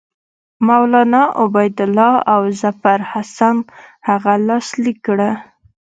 مولنا عبیدالله او ظفرحسن هغه لاسلیک کړه.